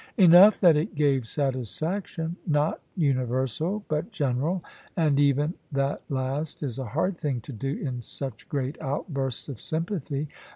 Enough that it gave satisfaction, not universal, but general; and even that last is a hard thing to do in such great outbursts of sympathy.